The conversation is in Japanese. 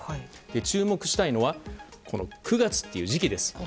注目したいのは９月という時期。